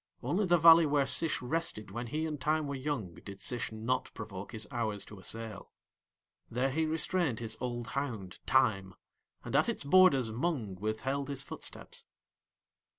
Only the valley where Sish rested when he and Time were young did Sish not provoke his hours to assail. There he restrained his old hound Time, and at its borders Mung withheld his footsteps.